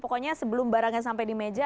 pokoknya sebelum barangnya sampai di meja